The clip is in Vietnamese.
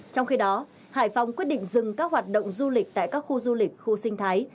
trong khi đó hải phòng quyết định dừng các hoạt động du lịch tại các khu du lịch khu sinh thái